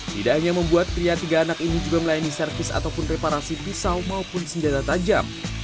tidak hanya membuat pria tiga anak ini juga melayani servis ataupun reparasi pisau maupun senjata tajam